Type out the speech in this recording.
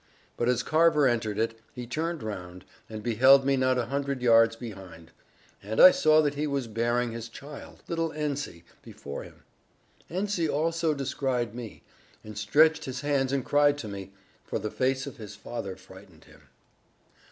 But as Carver entered it, he turned round, and beheld me not a hundred yards behind; and I saw that he was bearing his child, little Ensie, before him. Ensie also descried me, and stretched his hands and cried to me; for the face of his father frightened him.